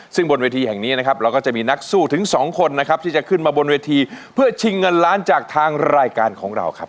ซึ่งบนเวทีแห่งนี้นะครับเราก็จะมีนักสู้ถึงสองคนนะครับที่จะขึ้นมาบนเวทีเพื่อชิงเงินล้านจากทางรายการของเราครับ